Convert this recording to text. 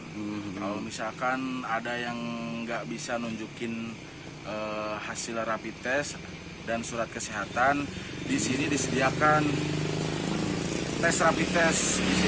kalau misalkan ada yang nggak bisa nunjukin hasil rapi tes dan surat kesehatan di sini disediakan tes rapi tes